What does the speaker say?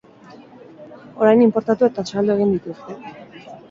Orain inportatu eta saldu egiten dituzte.